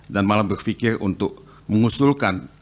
dan malah berfikir untuk mengusulkan